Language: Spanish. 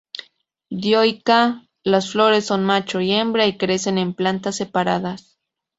Dioica: las flores son macho y hembra y crecen en plantas separadas.